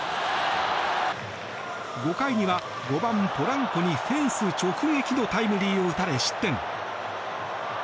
５回には５番、ポランコにフェンス直撃のタイムリーを打たれ、失点。